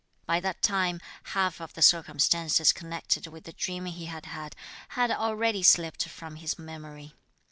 By that time, half of the circumstances connected with the dream he had had, had already slipped from his memory.